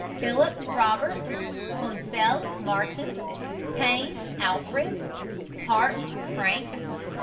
PHILLIPS, ROBERT. PONESELL, MARTIN. PAIN, DR. ALFRED. PARKES, FRANK.